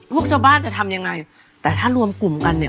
พวกชาวบ้านจะทำยังไงแต่ถ้ารวมกลุ่มกันเนี่ย